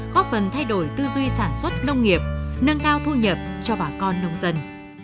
góp phần thay đổi tư duy sản xuất nông nghiệp nâng cao thu nhập cho bà con nông dân